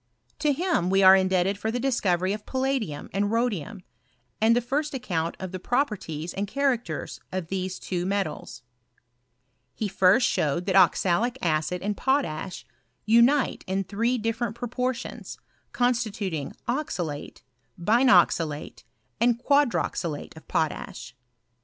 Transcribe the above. To him we are indebted for the discovery of palladium and rhodium, and the first account of the properties and characters of these two metals. He first showed that oxalic acid and potash unite in three different proportions, constituting oxalate, binoxalate, and quadroxalate of potash.